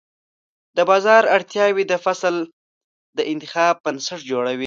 د بازار اړتیاوې د فصل د انتخاب بنسټ جوړوي.